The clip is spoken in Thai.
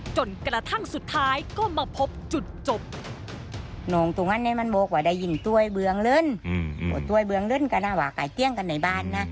จนกระทั่งสุดท้ายก็มาพบจุดจบ